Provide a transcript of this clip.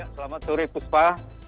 selamat sore puspa